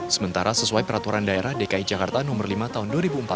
sementara sesuai peraturan daerah dki jakarta nomor lima tahun dua ribu empat belas